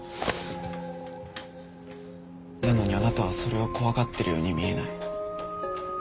なのにあなたはそれを怖がってるように見えない。